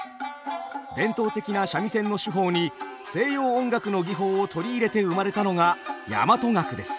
伝統的な三味線の手法に西洋音楽の技法を取り入れて生まれたのが大和楽です。